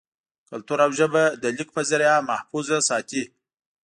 کلتور او ژبه دَليک پۀ زريعه محفوظ ساتي